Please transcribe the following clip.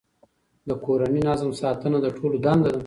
د کورني نظم ساتنه د ټولو دنده ده.